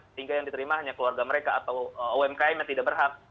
sehingga yang diterima hanya keluarga mereka atau umkm yang tidak berhak